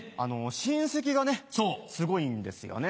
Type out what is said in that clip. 親戚がねすごいんですよね。